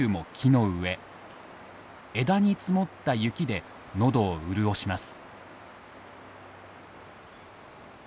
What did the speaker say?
枝に積もった雪で喉を潤します。